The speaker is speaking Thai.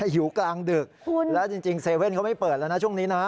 หิวกลางดึกแล้วจริง๗๑๑เขาไม่เปิดแล้วนะช่วงนี้นะ